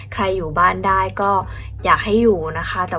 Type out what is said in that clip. อยู่บ้านได้ก็อยากให้อยู่นะคะ